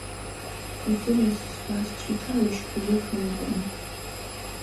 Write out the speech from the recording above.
ქოძირეს, ზღვას ჭითა უშქური ქჷმუღუნი.